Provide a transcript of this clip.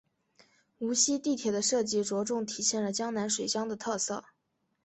无锡地铁的设计着重体现了江南水乡的特色。